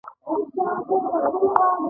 خو سحر چې راپاسېدم نو کمنټ مې نۀ وۀ